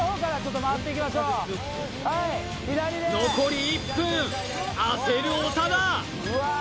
左で残り１分焦る長田！